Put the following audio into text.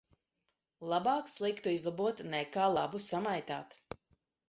Labāk sliktu izlabot nekā labu samaitāt.